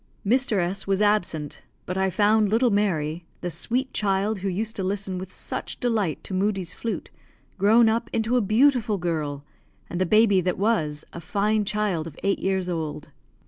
Mr. S was absent, but I found little Mary the sweet child who used to listen with such delight to Moodie's flute grown up into a beautiful girl; and the baby that was, a fine child of eight years old.